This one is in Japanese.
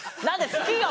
好きよ！